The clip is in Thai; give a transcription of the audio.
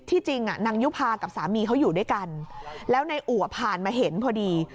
จริงนางยุภากับสามีเขาอยู่ด้วยกันแล้วนายอัวผ่านมาเห็นพอดี